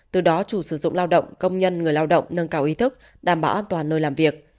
từ đó chủ sử dụng lao động công nhân người lao động nâng cao ý thức đảm bảo an toàn nơi làm việc